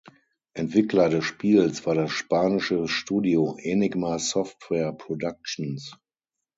Entwickler des Spiels war das spanische Studio Enigma Software Productions.